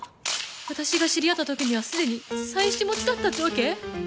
私が知り合った時にはすでに妻子持ちだったってわけ？